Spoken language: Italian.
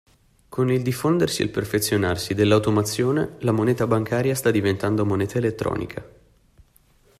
Con il diffondersi e il perfezionarsi dell'automazione la moneta bancaria sta diventando moneta elettronica.